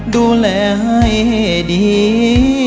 ดูแลให้ดี